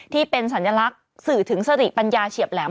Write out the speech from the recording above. ที่เป็นสัญลักษณ์สื่อถึงสติปัญญาเฉียบแหลม